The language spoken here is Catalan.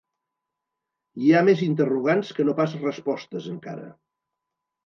Hi ha més interrogants que no pas respostes encara.